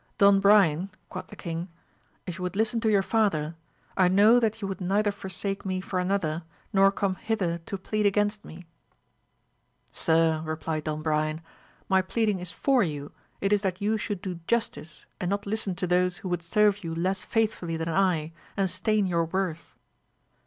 Don Brian, quoth the king, if you would listen to your father I know that you would neither forsake me for another, nor come hither to plead against me. Sir, replied Don Brian, my plead ing is for you, it is that you should do justice, and not listen to those who would serve you less faithfully than I, and stain your worth.